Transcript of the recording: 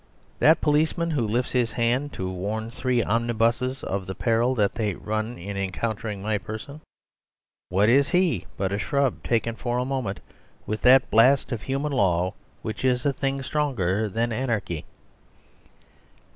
That policeman who lifts his hand to warn three omnibuses of the peril that they run in encountering my person, what is he but a shrub shaken for a moment with that blast of human law which is a thing stronger than anarchy?